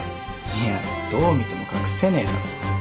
いやどう見ても隠せねえだろ。